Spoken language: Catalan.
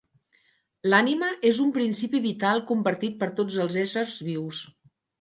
L'ànima és un principi vital compartit per tots els éssers vius.